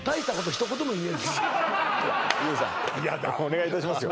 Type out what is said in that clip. お願いいたしますよ